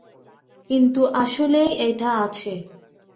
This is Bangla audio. কিন্তু আসলেই এটা আছে।